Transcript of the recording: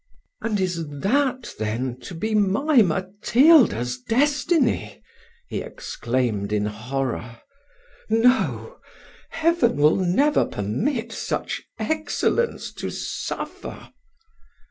"And is that then to be my Matilda's destiny?" he exclaimed in horror. "No Heaven will never permit such excellence to suffer."